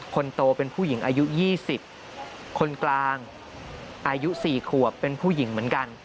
คนโตเป็นผู้หญิงอายุ๒๐คนกลางอายุ๔ขวบเป็นผู้หญิงเหมือนกัน